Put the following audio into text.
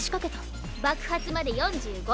爆発まで４５秒。